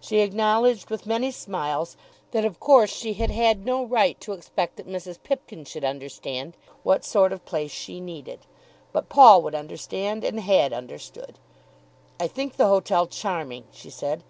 She acknowledged with many smiles that of course she had had no right to expect that Mrs. Pipkin should understand what sort of place she needed. But Paul would understand, and had understood. "I think the hotel charming," she said.